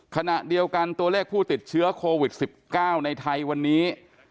ขณะเดียวกันตัวเลขผู้ติดเชื้อโควิด๑๙ในไทยวันนี้